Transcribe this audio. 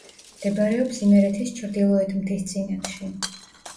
მდებარეობს იმერეთის ჩრდილოეთ მთისწინეთში.